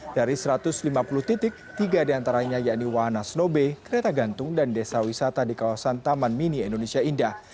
dari satu ratus lima puluh titik tiga diantaranya yakni wahana snow bay kereta gantung dan desa wisata di kawasan taman mini indonesia indah